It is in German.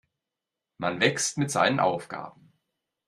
Man wächst mit seinen Aufgaben.